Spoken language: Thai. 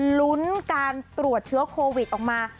ลุ้นการตรวจเชื้อโควิดออกมา